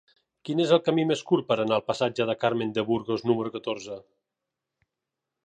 Quin és el camí més curt per anar al passatge de Carmen de Burgos número catorze?